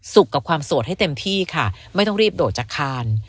กับความโสดให้เต็มที่ค่ะไม่ต้องรีบโดดจากคาน